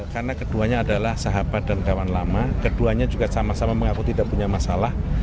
karena keduanya adalah sahabat dan kawan lama keduanya juga sama sama mengaku tidak punya masalah